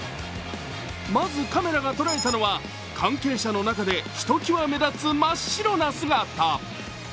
まず、カメラが捉えたのは関係者の中でひときわ目立つ真っ白な姿。